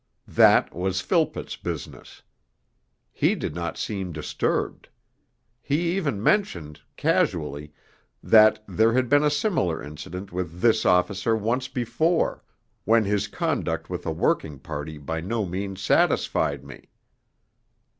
That was Philpott's business. He did not seem disturbed. He even mentioned casually that 'there had been a similar incident with this officer once before, when his conduct with a working party by no means satisfied me.'